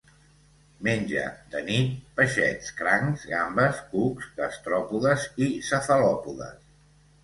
Menja, de nit, peixets, crancs, gambes, cucs, gastròpodes i cefalòpodes.